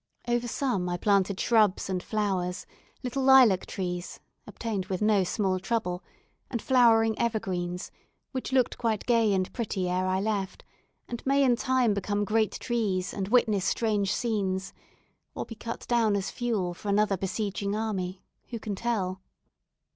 Over some I planted shrubs and flowers, little lilac trees, obtained with no small trouble, and flowering evergreens, which looked quite gay and pretty ere I left, and may in time become great trees, and witness strange scenes, or be cut down as fuel for another besieging army who can tell?